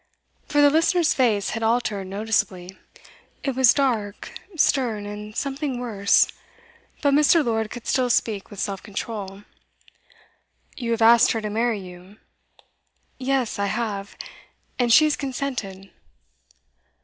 For the listener's face had altered noticeably; it was dark, stern, and something worse. But Mr. Lord could still speak with self control. 'You have asked her to marry you?' 'Yes, I have; and she has consented.